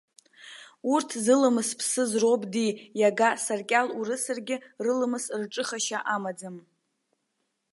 Урҭ зыламыс ԥсыз роуп ди, иага саркьал урысыргьы, рыламыс рҿыхашьа амаӡам!